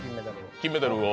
金メダルを。